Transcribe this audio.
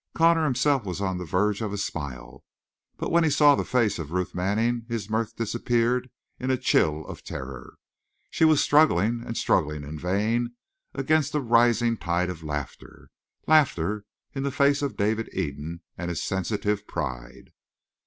Connor himself was on the verge of a smile, but when he saw the face of Ruth Manning his mirth disappeared in a chill of terror. She was struggling and struggling in vain against a rising tide of laughter, laughter in the face of David Eden and his sensitive pride.